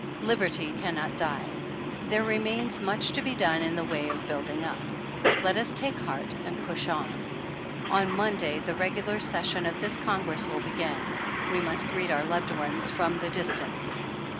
Liberty can not die. There remains much to be done in the way of building up. Let us take heart and push on. On Monday, the regular session of this Congress will begin. We must greet our loved ones from the dis tance.